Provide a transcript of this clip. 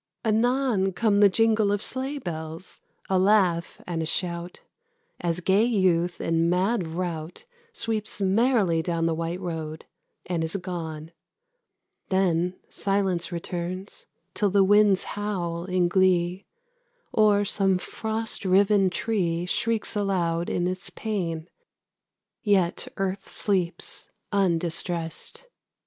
Anon Come the jingle of sleigh bells, a laugh and a shout, As gay youth, in mad rout, Sweeps merrily down the white road, and is gone. Then silence returns, till the winds howl in glee, Or some frost riven tree Shrieks aloud in its pain. Yet Earth sleeps, undistressed.